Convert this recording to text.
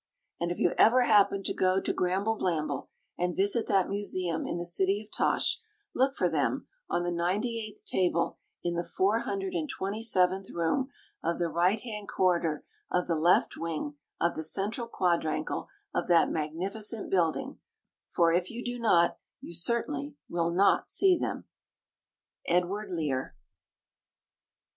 And if you ever happen to go to Gramble blamble, and visit that museum in the city of Tosh, look for them on the ninety eighth table in the four hundred and twenty seventh room of the right hand corridor of the left wing of the central quadrangle of that magnificent building; for, if you do not, you certainly will not see them. EDWARD LEAR.